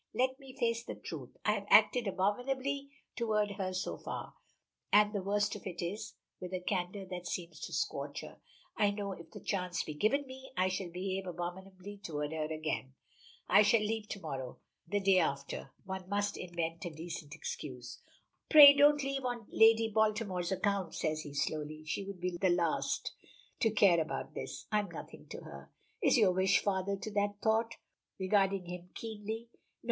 Let me face the truth. I have acted abominably toward her so far, and the worst of it is" with a candor that seems to scorch her "I know if the chance be given me, I shall behave abominably toward her again. I shall leave to morrow the day after. One must invent a decent excuse." "Pray don't leave on Lady Baltimore's account," says he slowly, "she would be the last to care about this. I am nothing to her." "Is your wish father to that thought?" regarding him keenly. "No.